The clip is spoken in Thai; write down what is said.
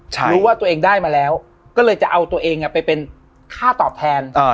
รู้ว่าตัวเองได้มาแล้วก็เลยจะเอาตัวเองไปเป็นค่าตอบแทน